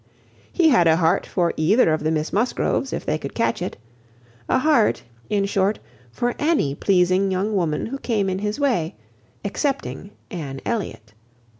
He had a heart for either of the Miss Musgroves, if they could catch it; a heart, in short, for any pleasing young woman who came in his way, excepting Anne Elliot.